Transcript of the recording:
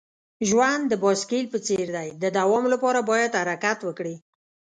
ژوند د بایسکل په څیر دی. د دوام لپاره باید حرکت وکړې.